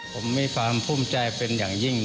ผมมีความภูมิใจเป็นอย่างยิ่ง